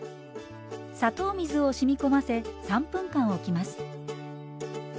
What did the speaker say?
砂糖水をしみ込ませ３分間おきます。